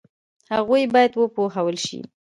هغوی باید وپوهول شي.